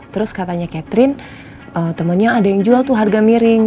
terus katanya catherine temennya ada yang jual tuh harga miring